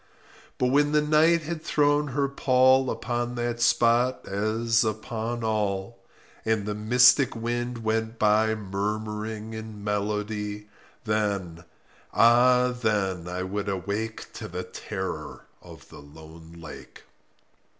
But when the Night had thrown her pall Upon that spot, as upon all, And the mystic wind went by Murmuring in melody— Then—ah then I would awake To the terror of the lone lake.